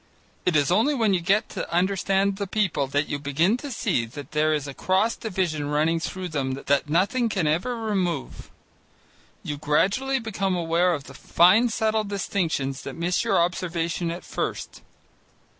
It is only when you get to understand the people that you begin to see that there is a cross division running through them that nothing can ever remove. You gradually become aware of fine subtle distinctions that miss your observation at first.